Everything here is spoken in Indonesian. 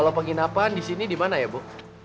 kalau penginapan di sini di mana ya bu